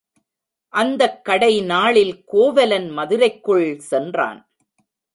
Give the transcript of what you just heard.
அந்தக் கடை நாளில் கோவலன் மதுரைக்குள் சென்றான்.